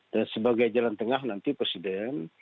dan sebagai jalan tengah nanti presiden